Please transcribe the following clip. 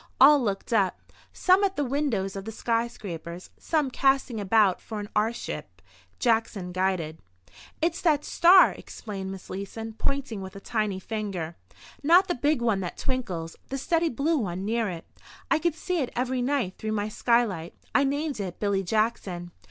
All looked up—some at the windows of skyscrapers, some casting about for an airship, Jackson guided. "It's that star," explained Miss Leeson, pointing with a tiny finger. "Not the big one that twinkles—the steady blue one near it. I can see it every night through my skylight. I named it Billy Jackson."